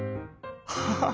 ハハハ！